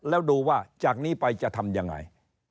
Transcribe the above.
แล้วดูว่าจากนี้ไปจะทำยังไง